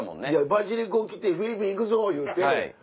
ばじりこ来てフィリピン行くぞ言うて。